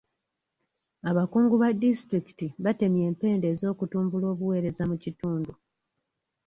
Abakungu ba disitulikiti batemye empenda ez'okutumbula obuweereza mu kitundu.